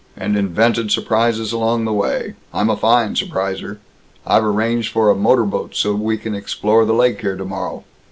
And invented surprises along the way. I'm a fine surpriser! I've arranged for a motor boat so we can explore the lake here tomorrow.